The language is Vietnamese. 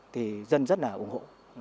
thì dân rất là ủng hộ